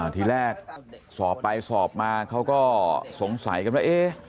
ทีแรกสอบไปสอบมาเขาก็สงสัยกันว่าเอ๊ะ